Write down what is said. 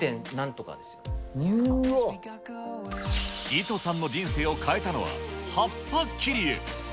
リトさんの人生を変えたのは、葉っぱ切り絵。